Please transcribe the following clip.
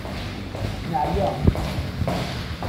Neɛya.